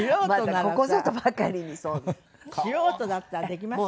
素人だったらできませんよ。